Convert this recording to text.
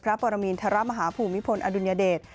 พระปราหมีนธรมหาผู้มิพลอดุญเดส